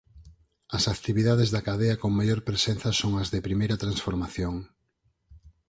As actividades da cadea con maior presenza son as de primeira transformación.